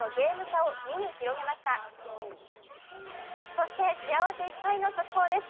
そして幸せいっぱいの速報です。